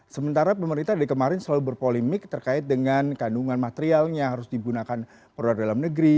sementara pemerintah dari kemarin selalu berpolemik terkait dengan kandungan materialnya harus digunakan produk dalam negeri